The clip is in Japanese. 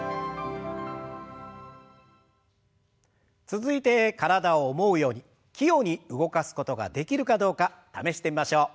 続いて体を思うように器用に動かすことができるかどうか試してみましょう。